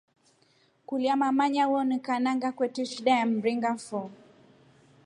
Kulya mama nyawonika nanga kwete shida ya mringa foo.